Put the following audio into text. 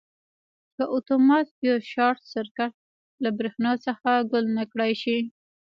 که اتومات فیوز شارټ سرکټ له برېښنا څخه ګل نه کړای شي.